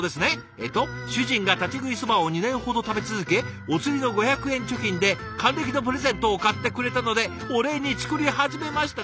えっと「主人が立ち食いそばを２年ほど食べ続けおつりの５００円貯金で還暦のプレゼントを買ってくれたのでお礼に作り始めました」。